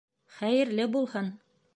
Хәйерле булһын.